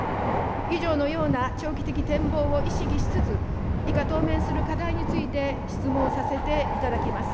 以上のような長期的展望を意識しつつ、以下、当面する課題について質問させていただきます。